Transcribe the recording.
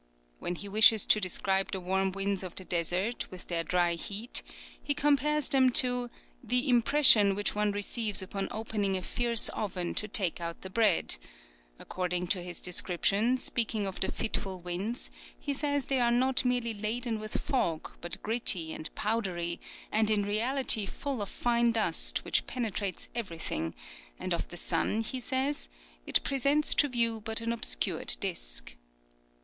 When he wishes to describe the warm winds of the desert, with their dry heat, he compares them 'to the impression which one receives upon opening a fierce oven to take out the bread;' according to his description, speaking of the fitful winds, he says they are not merely laden with fog, but gritty and powdery, and in reality full of fine dust, which penetrates everything; and of the sun, he says it 'presents to view but an obscured disk.'"